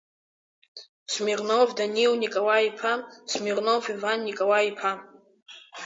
Смирнов Даниил Николаи-иԥа, Смирнов Иван Николаи-иԥа.